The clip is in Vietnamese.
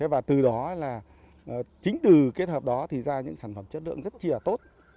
và từ đó là chính từ kết hợp đó thì ra những sản phẩm chất lượng rất chìa tốt